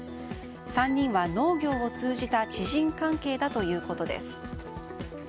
３人は農業を通じた知人関係だということです。